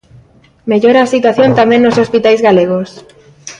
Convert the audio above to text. Mellora a situación tamén nos hospitais galegos.